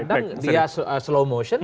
kadang dia slow motion